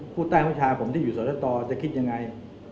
ผู้ใต้ธรรมชาติผมที่อยู่สวทชจะคิดยังไง